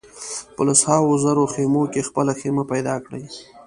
په لسهاوو زره خېمو کې خپله خېمه پیدا کړي.